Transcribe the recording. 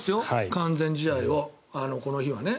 完全試合をこの日はね。